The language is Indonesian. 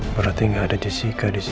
berarti tidak ada jessica disini